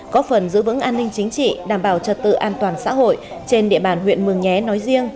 có phần giữ vững an ninh chính trị đảm bảo trật tự an toàn xã hội trên địa bàn huyện mường nhé nói riêng